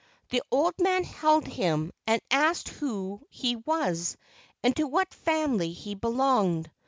The old man held him and asked who he was and to what family he belonged.